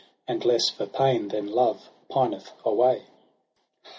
And less for pain than love pineth away.'